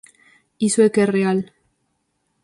Iso é o que é real.